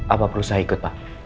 apa perusahaan ikut pak